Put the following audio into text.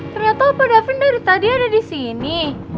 ternyata opa davin dari tadi ada di sini